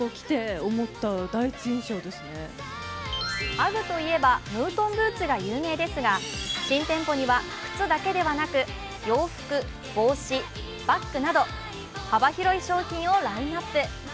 ＵＧＧといえばムートンブーツが有名ですが、新店舗には靴だけではなく、洋服、帽子、バッグなど幅広い商品をラインナップ。